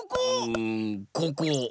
うんここ！